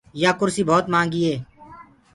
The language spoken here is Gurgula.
يآ ڪُرسي ڀوت مهآنگيٚ هي۔